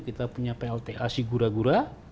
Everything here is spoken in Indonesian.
kita punya plt ac gura gura